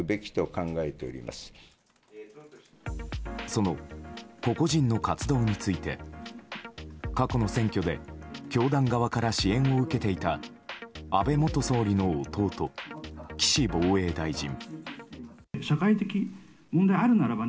その個々人の活動について過去の選挙で教団側から支援を受けていた安倍元総理の弟・岸防衛大臣。